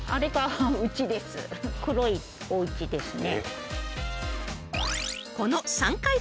黒いおうちですね。